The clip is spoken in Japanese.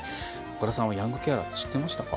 岡田さんは、ヤングケアラーって知ってましたか？